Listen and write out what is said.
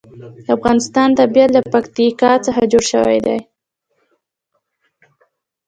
د افغانستان طبیعت له پکتیکا څخه جوړ شوی دی.